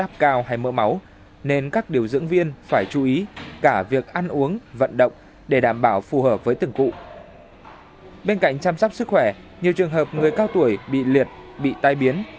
bên cạnh chăm sóc sức khỏe nhiều trường hợp người cao tuổi bị liệt bị tai biến